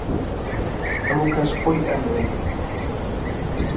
هەموو کەس خۆی ئەنوێنێ